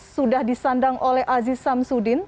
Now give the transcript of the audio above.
sudah disandang oleh aziz samsudin